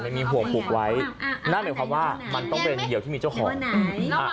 มันมีห่วงผูกไว้นั่นหมายความว่ามันต้องเป็นเหยื่อที่มีเจ้าของอืมอ่า